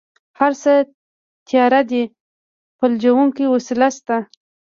هره څه تيار دي فلجوونکې وسله شته.